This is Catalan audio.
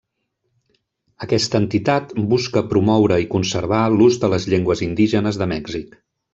Aquesta entitat busca promoure i conservar l'ús de les llengües indígenes de Mèxic.